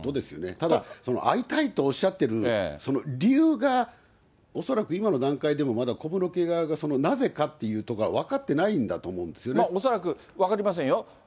ただ、会いたいとおっしゃっている、理由が、恐らく今の段階でもまだ小室家側がなぜかっていうことが分かって恐らく、分かりませんよ。